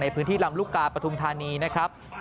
พื้นที่ลำลูกกาปฐุมธานีนะครับ